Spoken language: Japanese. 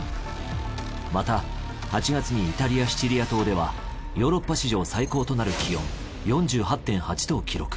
また８月にイタリアシチリア島ではヨーロッパ史上最高となる気温４８．８度を記録。